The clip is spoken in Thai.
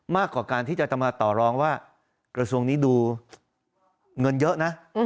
มากกว่าการที่จะมาต่อรองว่ากระทรวงนี้ดูเงินเยอะนะ